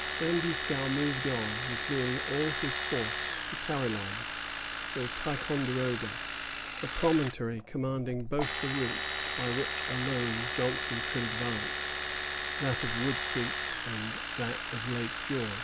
Then Dieskau moved on, with nearly all his force, to Carillon, or Ticonderoga, a promontory commanding both the routes by which alone Johnson could advance, that of Wood Creek and that of Lake George.